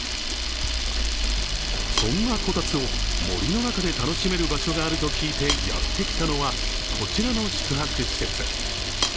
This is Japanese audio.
そんなこたつを森の中で楽しめる場所があると聞いてやってきたのはこちらの宿泊施設。